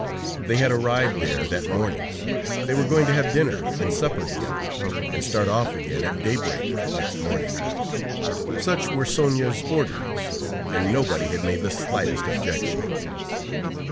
They had arrived there that morning; they were going to have dinner and supper together, and start off again at daybreak next morning; such were Sonia's orders, and nobody had made the slightest objection.